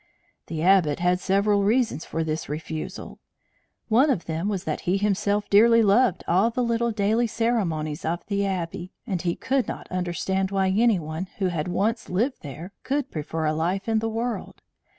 The Abbot had several reasons for this refusal; one of them was that he himself dearly loved all the little daily ceremonies of the Abbey, and he could not understand why any one who had once lived there could prefer a life in the world.